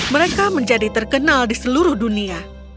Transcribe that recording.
mereka menjadi terkenal di seluruh dunia